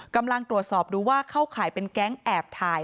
กำลังตรวจสอบดูว่าเข้าข่ายเป็นแก๊งแอบถ่าย